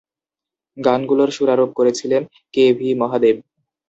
গানগুলোর সুরারোপ করেছিলেন K V Mahadev.